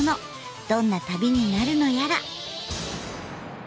どんな旅になるのやら。